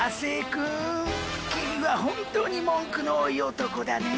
君は本当に文句の多い男だね。